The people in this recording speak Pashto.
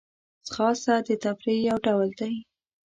ځغاسته د تفریح یو ډول دی